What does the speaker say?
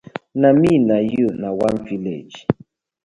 Na mi na yu na one village.